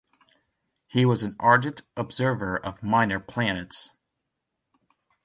He was an ardent observer of minor planets.